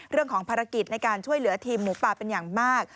เรื่องของภารกิจในการช่วยเหลือทีมหมูป่าเป็นอย่างมาก